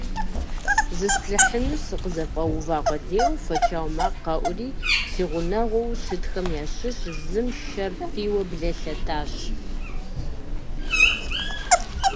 Зысплъыхьыну сыкъызэфӀэува къудейуэ, фочауэ макъ къэӀури, си гъунэгъуу щытхэм ящыщ зым шэр фийуэ блэлъэтащ.